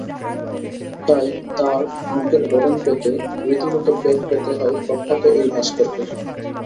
তাই তাঁর মুখের গঠন পেতে রীতিমতো বেগ পেতে হয় প্রখ্যাত এই ভাস্করকে।